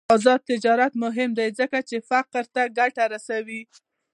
آزاد تجارت مهم دی ځکه چې فقراء ته ګټه رسوي.